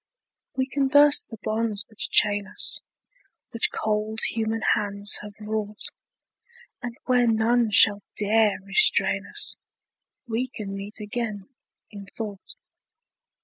We can burst the bonds which chain us, Which cold human hands have wrought, And where none shall dare restrain us We can meet again, in thought.